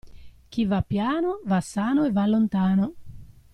Chi va piano va sano e va lontano.